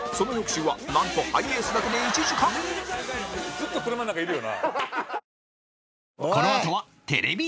ずっと車の中いるよな？